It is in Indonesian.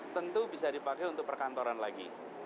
tentu bisa dipakai untuk perkantoran lagi